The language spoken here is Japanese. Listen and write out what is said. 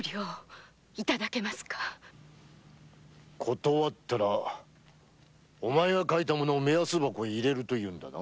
断ったらお前が書いたものを目安箱に入れるというんだな。